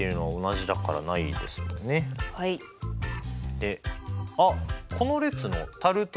であっこの列のタルト